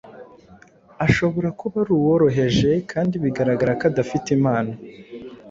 Ashobora kuba ari uworoheje kandi bigaragara ko adafite impano;